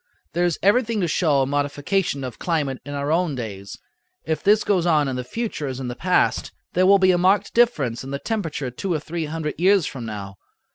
There is everything to show a modification of climate in our own days. If this goes on in the future as in the past, there will be a marked difference in the temperature two or three hundred years from now.